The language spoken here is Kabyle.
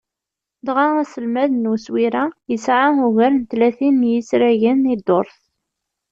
Dɣa aselmad n uswir-a, yesεa ugar n tlatin n yisragen i ddurt.